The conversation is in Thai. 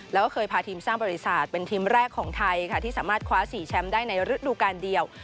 แล้วก็เคยพาทีมสร้างบริษัทเป็นทีมแรกของไทยค่ะที่สามารถคว้า๔แชมป์ได้ในฤดูการเดียว